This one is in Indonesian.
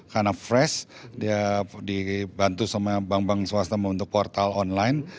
karena fresh dia dibantu sama bank bank swasta untuk portal online